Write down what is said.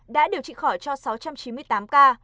đã điều trị khỏi cho sáu trăm chín mươi tám ca